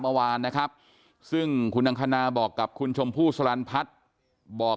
เมื่อวานนะครับซึ่งคุณอังคณาบอกกับคุณชมพู่สลันพัฒน์บอก